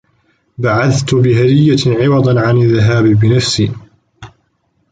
بعثت بهدية عوضاً عن الذهاب بنفسي.